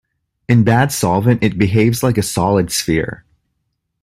In bad solvent it behaves like a solid sphere.